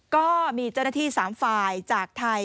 ก็มีเจ้าหน้าที่๓ฝ่ายจากไทย